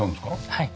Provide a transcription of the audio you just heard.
はい。